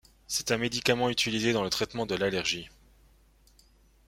C'est un médicament utilisé dans le traitement de l'allergie.